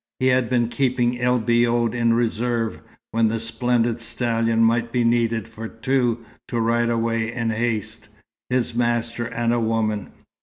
He had been keeping El Biod in reserve, when the splendid stallion might be needed for two to ride away in haste his master and a woman.